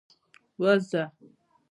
ووځه.